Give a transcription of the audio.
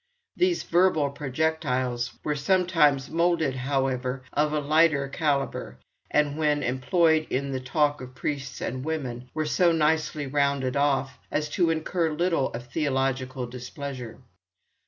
These verbal projectiles were sometimes moulded, however, of a lighter calibre, and when employed in the talk of priests or women, were so nicely rounded off as to incur little of theological displeasure.